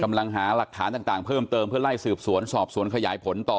กำลังหาหลักฐานต่างเพิ่มเติมเพื่อไล่สืบสวนสอบสวนขยายผลต่อ